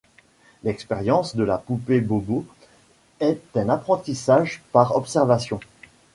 L’expérience de la poupée Bobo est un apprentissage par observation.